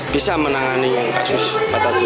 bisa menangani kasus patah tulang